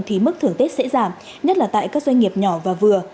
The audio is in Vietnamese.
thì mức thưởng tết sẽ giảm nhất là tại các doanh nghiệp nhỏ và vừa